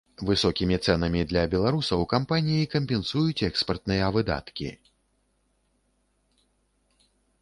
Высокімі цэнамі для беларусаў кампаніі кампенсуюць экспартныя выдаткі.